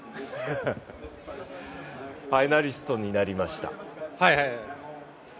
ファイナリストになりました。